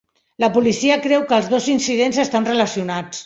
La policia creu que els dos incidents estan relacionats.